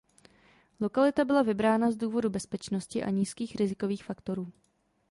Lokalita byla vybrána z důvodu bezpečnosti a nízkých rizikových faktorů.